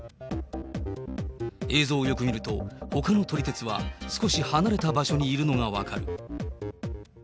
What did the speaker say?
映像をよく見ると、ほかの撮り鉄は少し離れた場所にいるのが分かる。